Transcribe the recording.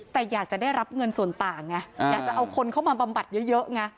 แต่อยากจะได้รับเงินส่วนต่างไงอยากจะเอาคนเข้ามาบำบัดเยอะไง